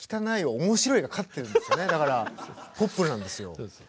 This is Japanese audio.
だからポップなんですよ。